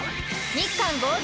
日韓合同！